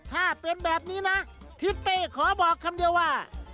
ถ้าเป็นแบบนี้นะทิศเป้ขอบอกคำเดียวว่า